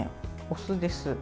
お酢です。